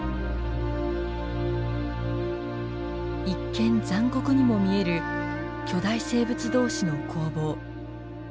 一見残酷にも見える巨大生物同士の攻防。